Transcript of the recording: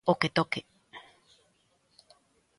O que toque.